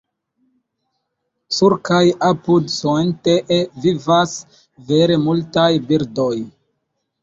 Sur kaj apud Suontee vivas vere multaj birdoj.